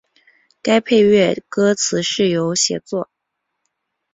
该配乐歌词是由写作。